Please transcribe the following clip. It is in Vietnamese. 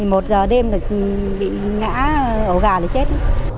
một giờ đêm bị ngã ổ gà là chết